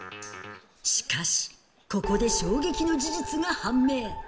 しかし、ここで衝撃の事実が判明。